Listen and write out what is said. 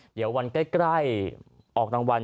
เดี๋ยววันใกล้ออกรางวัล